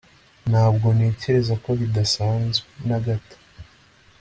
ntabwo ntekereza ko bidasanzwe na gato